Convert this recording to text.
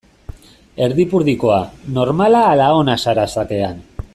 Erdipurdikoa, normala ala ona zara xakean?